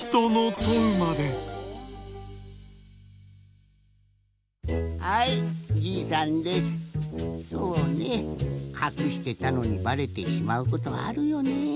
そうねかくしてたのにバレてしまうことあるよね。